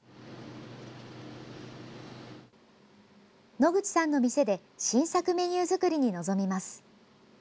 野口さんの店で新作メニュー作りに臨みます。